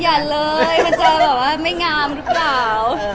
อย่าเลยมันจะไม่งามรึกล่าว